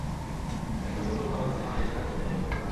Bank কর্তৃপক্ষ কোনো অবস্থাতেই মাঠে গিয়ে টাকা বিতরণ করতে পারবে না।